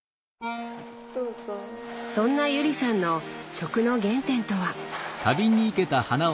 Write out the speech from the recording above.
そんな友里さんの食の原点とは。